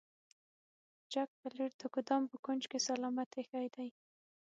جک پلیټ د ګدام په کونج کې سلامت ایښی دی.